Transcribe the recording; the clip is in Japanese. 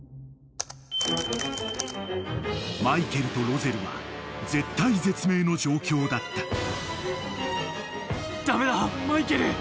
［マイケルとロゼルは絶体絶命の状況だった］